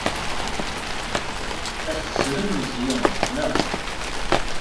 Ad tettrem Meẓyan, naɣ?